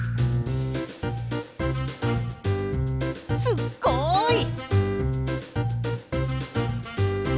すっごい！